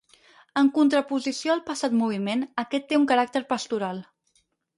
En contraposició al passat moviment, aquest té un caràcter pastoral.